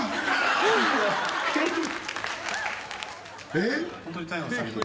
えっ？